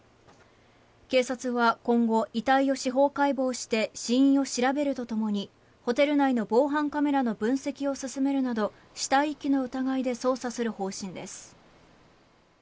警察は今後、遺体を司法解剖して死因を調べるとともにホテル内の防犯カメラの分析を進めるなど死体遺棄の疑いで捜査する方針です。